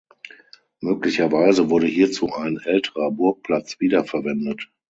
Möglicherweise wurde hierzu ein älterer Burgplatz wiederverwendet.